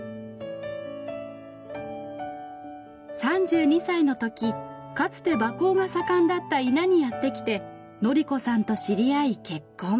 ３２歳のときかつて馬耕が盛んだった伊那にやってきて紀子さんと知り合い結婚。